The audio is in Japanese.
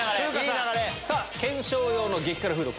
さぁ検証用の激辛フード